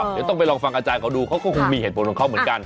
เดี๋ยวต้องไปลองฟังอาจารย์เขาดูเขาก็คงมีเหตุผลของเขาเหมือนกัน